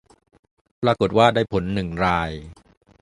ปรากฏว่าได้ผลหนึ่งราย